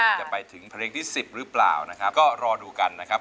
จะไปถึงเพลงที่สิบหรือเปล่านะครับก็รอดูกันนะครับ